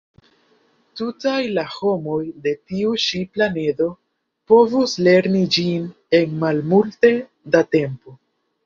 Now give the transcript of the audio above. Tutaj la homoj de tiu ĉi planedo povus lerni ĝin en malmulte da tempo.